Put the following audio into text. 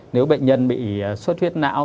nếu bệnh nhân bị suất huyết não